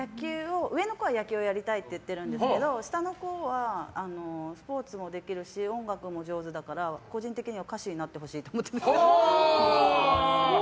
上の子は野球をやりたいって言ってるんですけど下の子は、スポーツもできるし音楽も上手だから個人的には歌手になってほしいと思ってます。